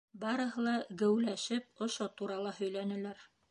Барыһы ла геүләшеп ошо турала һөйләнеләр.